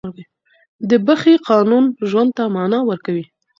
د بښې قانون ژوند ته معنا ورکوي.